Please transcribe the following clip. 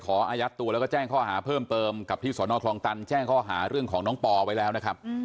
อายัดตัวแล้วก็แจ้งข้อหาเพิ่มเติมกับที่สนคลองตันแจ้งข้อหาเรื่องของน้องปอไว้แล้วนะครับ